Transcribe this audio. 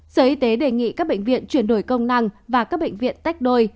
sở y tế đề nghị các bệnh viện chuyển đổi công năng và các bệnh viện tách đôi